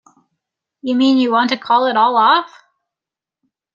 You mean you want to call it all off?